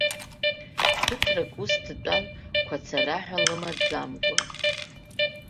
Ԥыҭрак ус дтәан қәацараҳәа лымаӡамкәа.